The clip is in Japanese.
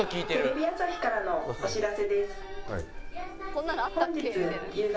「テレビ朝日からのお知らせです」